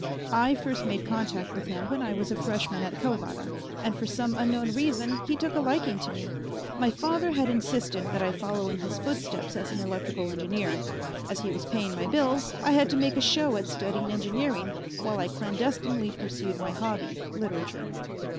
I first made contact with him when I was a freshman at Calvada, and for some unknown reason he took a liking to me. My father had insisted that I follow in his footsteps as an electrical engineer; as he was paying my bills, I had to make a show at studying engineering while I clandestinely pursued my hobby, literature.